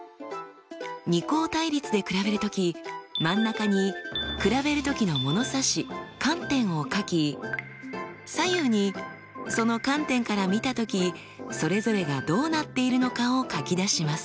二項対立で比べる時真ん中に比べる時のものさし観点を書き左右にその観点から見た時それぞれがどうなっているのかを書き出します。